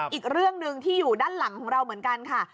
อีกเรื่องหนึ่งที่อยู่ด้านหลังของเราเหมือนกันค่ะ